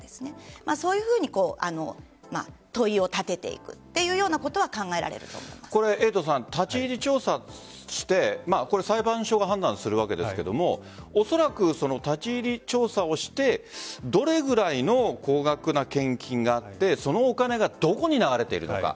そういうふうに問いを立てていくというようなことは立ち入り調査をして裁判所が判断するわけですがおそらく立ち入り調査をしてどれぐらいの高額な献金があってそのお金がどこに流れているのか。